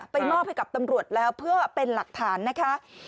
มอบให้กับตำรวจแล้วเพื่อเป็นหลักฐานนะคะ